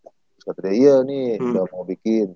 terus kata dia iya nih ga mau bikin